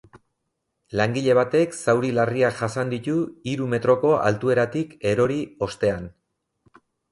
Langile batek zauri larriak jasan ditu hiru metroko altueratik erori ostean.